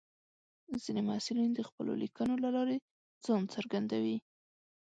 ځینې محصلین د خپلو لیکنو له لارې ځان څرګندوي.